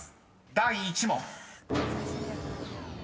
第１問］